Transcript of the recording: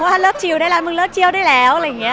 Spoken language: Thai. ว่าเลิกชิลล์ได้แล้วแล้วมึงเลิกชิลล์ได้แล้วอะไรอย่างเงี้ย